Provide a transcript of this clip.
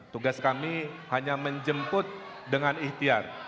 tugas kami hanya menjemput dengan ikhtiar